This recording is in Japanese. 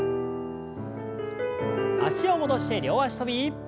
脚を戻して両脚跳び。